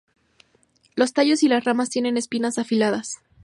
Los tallos y las ramas tienen espinas afiladas.